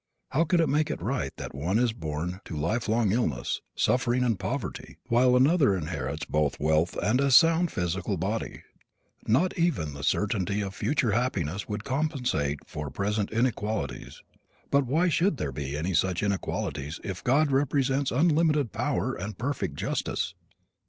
How could it make it right that one is born to life long illness, suffering and poverty, while another inherits both wealth and a sound physical body? Not even the certainty of future happiness would be compensation for present inequalities. But why should there be any such inequalities if God represents unlimited power and perfect justice?